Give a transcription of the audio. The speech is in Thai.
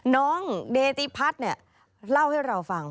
น้องเดติพัทรเล่าให้เราฟัง